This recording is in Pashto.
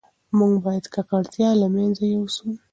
موږ باید ککړتیا له منځه یوسو.